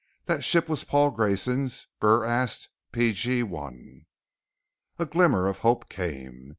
That ship was Paul Grayson's BurAst P.G.1.! A glimmer of hope came.